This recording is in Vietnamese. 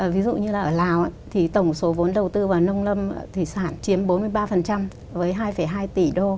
ví dụ như là ở lào thì tổng số vốn đầu tư vào nông lâm thủy sản chiếm bốn mươi ba với hai hai tỷ đô